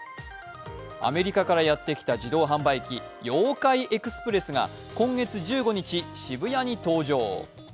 アメリカからやってきた自動販売機、Ｙｏ−ＫａｉＥｘｐｒｅｓｓが今月１５日、渋谷に登場。